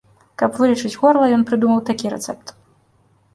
Каб вылечыць горла, ён прыдумаў такі рэцэпт.